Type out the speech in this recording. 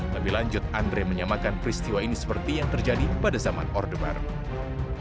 lebih lanjut andre menyamakan peristiwa ini seperti yang terjadi pada zaman orde baru